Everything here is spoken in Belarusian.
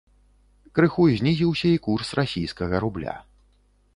Крыху знізіўся і курс расійскага рубля.